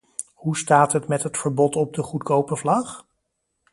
Hoe staat het met het verbod op de goedkope vlag?